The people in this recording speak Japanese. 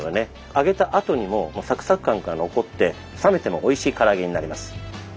揚げたあとにもサクサク感が残って冷めてもおいしいから揚げになります。